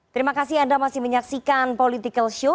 terima kasih anda masih menyaksikan political show